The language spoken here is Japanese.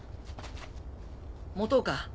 持とうか？